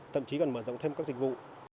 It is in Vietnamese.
thậm chí còn mở rộng thêm các dịch vụ